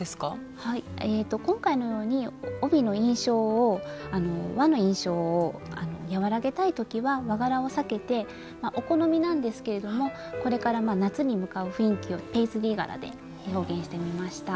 今回のように帯の印象を和の印象を和らげたい時は和柄を避けてお好みなんですけれどもこれから夏に向かう雰囲気をペイズリー柄で表現してみました。